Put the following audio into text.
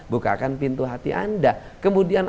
bukakan pintu hati anda kemudian